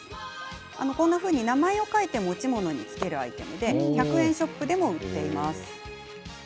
名前を書いて持ち物につけるアイテムで１００円ショップでも売っています。